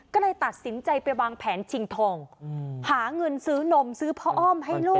ก็เลยตัดสินใจไปวางแผนชิงทองหาเงินซื้อนมซื้อพ่ออ้อมให้ลูก